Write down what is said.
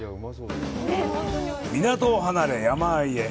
港を離れ、山あいへ。